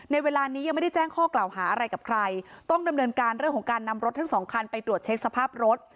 เวลานี้ยังไม่ได้แจ้งข้อกล่าวหาอะไรกับใครต้องดำเนินการเรื่องของการนำรถทั้งสองคันไปตรวจเช็คสภาพรถ